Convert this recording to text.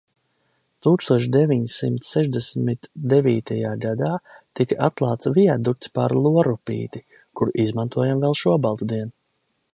Tūkstoš deviņsimt sešdesmit devītajā gadā tika atklāts viadukts pār Lorupīti, kuru izmantojam vēl šobaltdien.